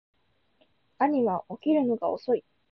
兄は起きるのが遅い